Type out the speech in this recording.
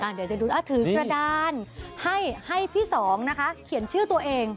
เดี๋ยวจะดูถือกระดานให้พี่สองนะคะเขียนชื่อตัวเอง